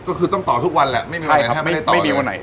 ก็คือต้องต่อทุกวันแหละไม่มีวันไหนไม่ได้ต่อเลย